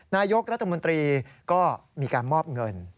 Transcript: นายกรัฐมนตรีก็มีการมอบเงิน